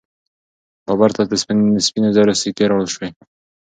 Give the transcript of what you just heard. بابر ته د سپینو زرو سکې راوړل سوې.